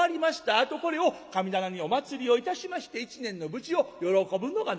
あとこれを神棚にお祭りをいたしまして１年の無事を喜ぶのが習わしでございます。